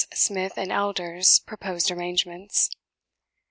Smith and Elder's proposed arrangements.